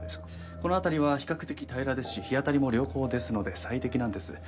この辺りは比較的平らですし日当たりも良好ですので最適なんです。